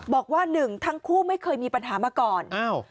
บอกว่าหนึ่งทั้งคู่ไม่เคยมีปัญหามาก่อน